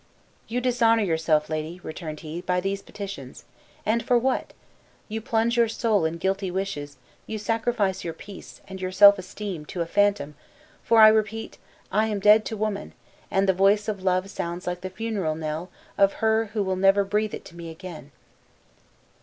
"You dishonor yourself, lady," returned he, "by these petitions, and for what? You plunge your soul in guilty wishes you sacrifice your peace, and your self esteem, to a phantom; for I repeat, I am dead to woman; and the voice of love sounds like the funeral knell of her who will never breathe it to me again."